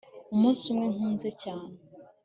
umunsi umwe nkuze cyane